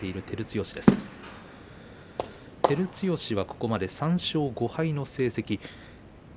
照強はここまで３勝５敗の成績。